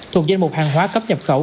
thuộc danh mục hàng hóa cấp nhập khẩu